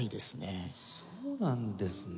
そうなんですね！